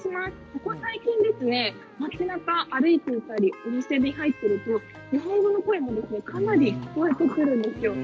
ここ最近、町なかを歩いていたりお店に入っていくと日本語の声も、かなり聞こえることがあるんですよ。